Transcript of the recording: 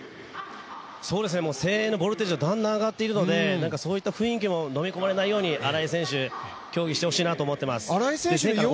もう声援のボルテージだんだん上がっているのでそういった雰囲気に飲み込まれないように荒井選手競技してほしいなと思ってます。